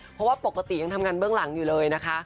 เพราะว่าปกติยังทำงานเบื้องหลังอยู่เลยนะคะ